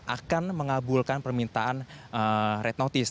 akan mengabulkan permintaan red notice